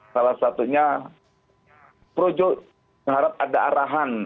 salah satunya projo mengharap ada arahan